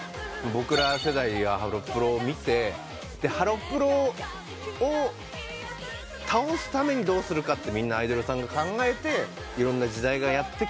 僕ら世代がハロプロを見てハロプロを倒すためにどうするかってみんなアイドルさんが考えていろんな時代がやってきただけで。